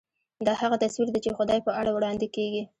دا هغه تصویر دی چې خدای په اړه وړاندې کېږي.